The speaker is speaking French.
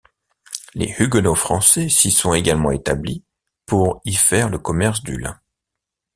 Les huguenots français s'y sont également établis pour y faire le commerce du lin.